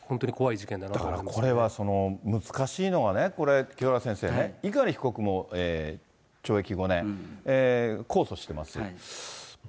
だからこれは、難しいのはね、これ、清原先生ね、碇被告も懲役５年、控訴してます。